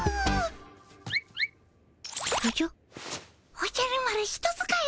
おじゃる丸人使い